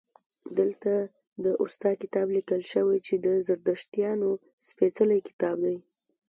دلته د اوستا کتاب لیکل شوی چې د زردشتیانو سپیڅلی کتاب دی